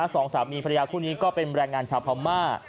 สองสามีภรรยาคู่นี้ก็เป็นแรงงานชาวพม่า